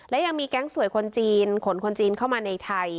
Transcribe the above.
และยังมีแก๊งสวยคนจีนขนคนจีนเข้ามาในไทย